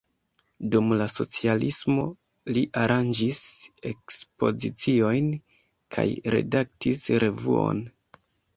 Dum la socialismo li aranĝis ekspoziciojn kaj redaktis revuon.